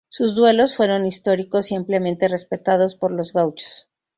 Sus duelos fueron históricos y ampliamente respetados por los Gauchos.